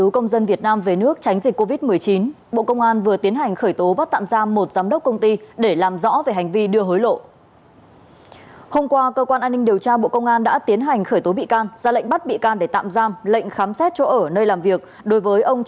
cảm ơn các bạn đã theo dõi